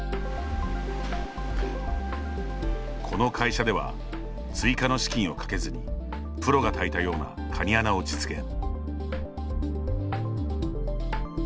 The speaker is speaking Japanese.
この会社では追加の資金をかけずにプロが炊いたようなカニ穴を実現。